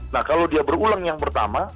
nah kalau dia berulang yang pertama